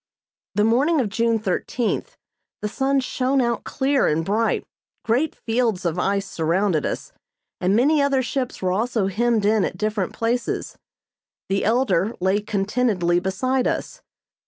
The morning of June thirteenth the sun shone out clear and bright. Great fields of ice surrounded us, and many other ships were also hemmed in at different places. The "Elder" lay contentedly beside us.